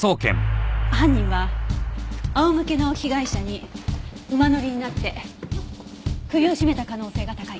犯人は仰向けの被害者に馬乗りになって首を絞めた可能性が高い。